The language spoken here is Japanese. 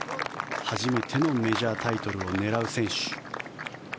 初めてのメジャータイトルを狙う選手。